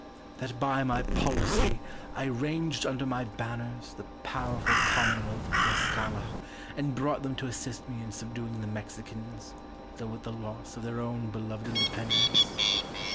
That by my policy I ranged under my banners the powerful commonwealth of Tlascala, and brought them to assist me in subduing the Mexicans, though with the loss of their own beloved independence?